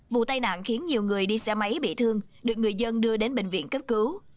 vụ tai nạn khiến nhiều người đi xe máy bị thương được người dân đưa đến bệnh viện cấp cứu